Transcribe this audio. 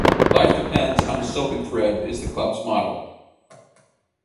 "Life depends on a silken thread" is the club's motto.